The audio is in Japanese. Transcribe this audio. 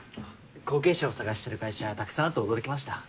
後継者を探してる会社たくさんあって驚きました。